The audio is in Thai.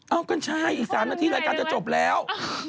เอากันใช่อีก๓นาทีรายการจะจบแล้ว